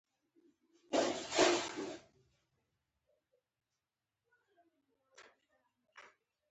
زه او عبدالهادي په سبقانو کښې تکړه وو.